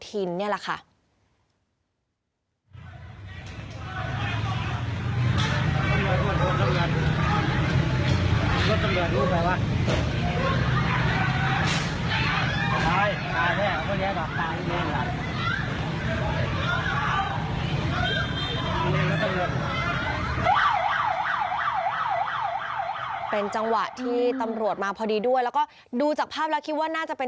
จังหวะที่ตำรวจมาพอดีด้วยแล้วก็ดูจากภาพแล้วคิดว่าน่าจะเป็นจังหวะที่ตำรวจมาพอดีด้วยแล้วก็ดูจากภาพแล้วคิดว่าน่าจะเป็น